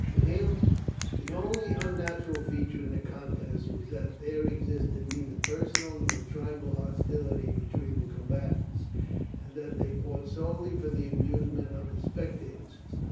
To him the only unnatural feature in the contest was that there existed neither personal nor tribal hostility between the combatants, and that they fought solely for the amusement of the spectators.